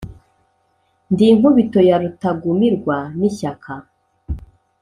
ndi inkubito ya rutagumirwa n' ishyaka